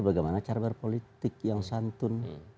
bagaimana cara berpolitik yang santun